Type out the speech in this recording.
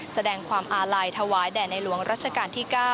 แสดงความอาลัยถวายแด่ในหลวงรัชกาลที่๙